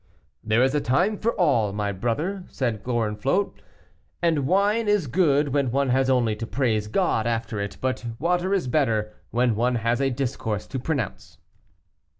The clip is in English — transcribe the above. "There is a time for all, my brother," said Gorenflot, "and wine is good when one has only to praise God after it, but water is better when one has a discourse to pronounce."